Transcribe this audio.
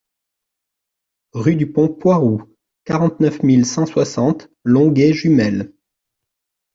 Rue du Pont Poiroux, quarante-neuf mille cent soixante Longué-Jumelles